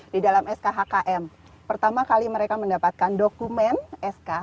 di dalam skhkm pertama kali mereka mendapatkan dokumen sk